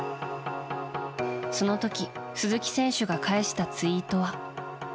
その時、鈴木選手が返したツイートは。